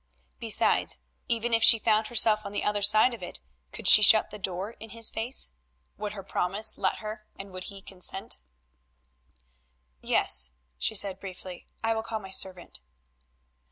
Besides, even if she found herself on the other side of it, could she shut the door in his face? Would her promise let her, and would he consent? "Yes," she answered briefly, "I will call my servant."